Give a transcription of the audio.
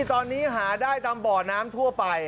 ตอนนี้หาได้ตามบ่อน้ำทั่วไป